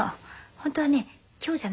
本当はね今日じゃないの。